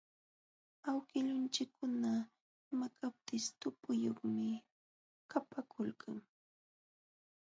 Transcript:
Awkillunchikkuna imapaqpis tupuyuqmi kapaakulqa.